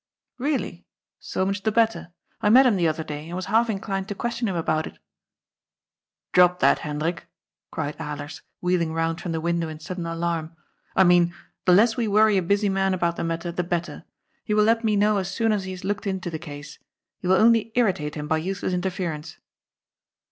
"Really? So much the better. I met him the other day and was half inclined to question him about it." "Drop that, Hendrik," cried Alers, wheeling round from the window in sudden alarm. " I mean, the less we worry a busy man about the matter, the better. He will let me know as soon as he has looked into the case. You will only irritate him by useless interference."